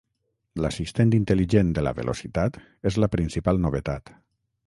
L'Assistent Intel·ligent de la Velocitat és la principal novetat.